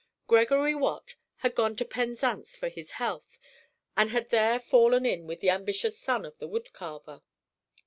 Gregory Watt had gone to Penzance for his health, and had there fallen in with the ambitious son of the wood carver.